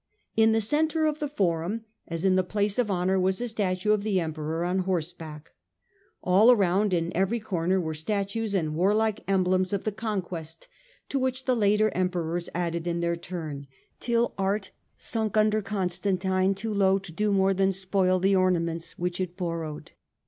In the centre of the forum, as in the place of honour, was a statue of the Emperor on horseback. All around in every corner were statues and warlike emblems of the conquest, to which the later em perors added in their turn, till art sunk under Constantine too low to do more than spoil the ornaments which it borrowed.